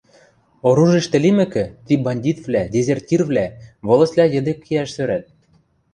Оружиштӹ лимӹкӹ, ти бандитвлӓ, дезертирвлӓ волостьвлӓ йӹде кеӓш сӧрат.